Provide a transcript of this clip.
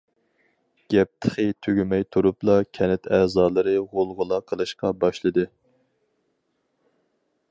گەپ تېخى تۈگىمەي تۇرۇپلا كەنت ئەزالىرى غۇلغۇلا قىلىشقا باشلىدى.